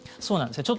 そうなんです。